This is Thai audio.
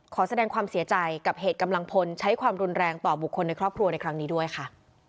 ขอแสดงความเสียใจกับเหตุกำลังพลใช้ความรุนแรงต่อบุคคลในครอบครัวในครั้งนี้ด้วยค่ะ